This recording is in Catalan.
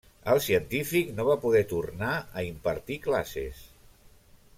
El científic no va poder tornar a impartir classes.